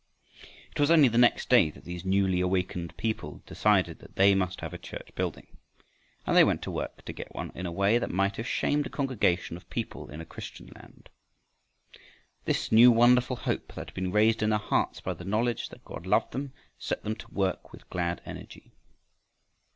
It was only the next day that these newly awakened people decided that they must have a church building. And they went to work to get one in a way that might have shamed a congregation of people in a Christian land. This new wonderful hope that had been raised in their hearts by the knowledge that God loved them set them to work with glad energy.